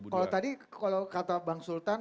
kalau tadi kalau kata bang sultan